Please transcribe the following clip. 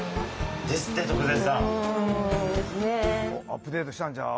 アップデートしたんちゃう？